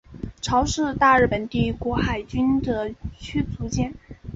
潮是大日本帝国海军的驱逐舰。